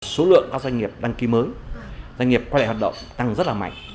số lượng các doanh nghiệp đăng ký mới doanh nghiệp qua đại hoạt động tăng rất là mạnh